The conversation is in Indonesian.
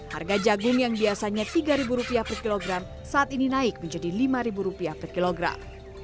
harga jagung yang biasanya rp tiga per kilogram saat ini naik menjadi rp lima per kilogram